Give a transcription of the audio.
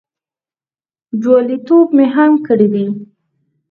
جوالیتوب مې هم کړی دی.